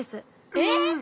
えっ！